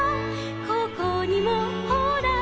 「ここにもほら」